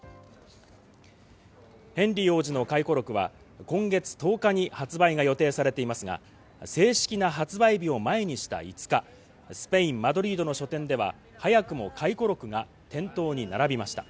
ヘンリー王子の回顧録は今月１０日に発売が予定されていますが、正式な発売日を前にした５日、スペイン・マドリードの書店では早くも回顧録が店頭に並びました。